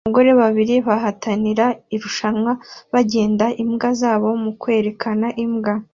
Abagore babiri bahatanira irushanwa bagenda imbwa zabo mu kwerekana imbwa